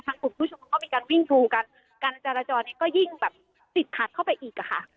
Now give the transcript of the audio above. ทั้งคุณผู้ชมก็มีการวิ่งดูกันการจราจรเนี่ยก็ยิ่งแบบติดขัดเข้าไปอีกอ่ะค่ะ